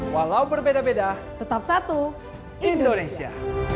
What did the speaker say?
walau berbeda beda tetap satu indonesia